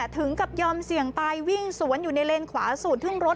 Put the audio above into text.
ถึงกับยอมเสี่ยงตายวิ่งสวนอยู่ในเลนขวาสูดขึ้นรถ